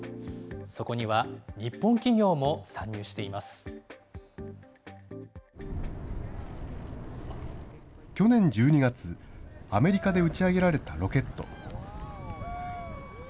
そこには日本企業も参入していま去年１２月、アメリカで打ち上げられたロケット。